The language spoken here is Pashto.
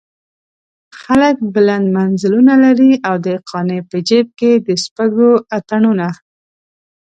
خلک بلند منزلونه لري او د قانع په جيب کې د سپږو اتڼونه.